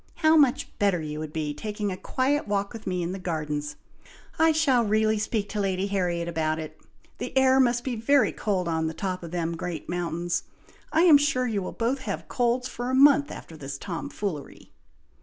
How much better you would be taking a quiet walk with me in the gardens! I shall really speak to Lady Harriet about it! The air must be very cold on the top of them great mountains! I am sure you will both have colds for a month after this Tom foolery."